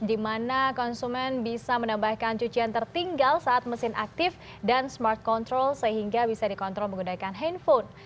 di mana konsumen bisa menambahkan cucian tertinggal saat mesin aktif dan smart control sehingga bisa dikontrol menggunakan handphone